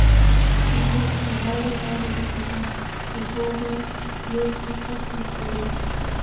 بېخي تر غاړې غاړې بهېده، اوبو به یو څرخک وخوړ.